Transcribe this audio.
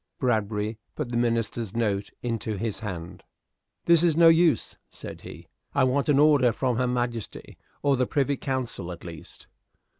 Bradbury put the minister's note into his hand. "This no use," said he. "I want an order from His Majesty, or the Privy Council at least."